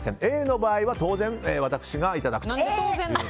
Ａの場合は当然私がいただくと。